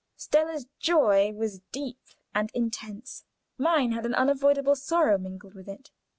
Stella's joy was deep and intense mine had an unavoidable sorrow mingled with it.